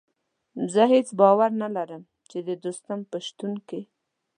زه هېڅ باور نه لرم چې د دوستم په شتون کې.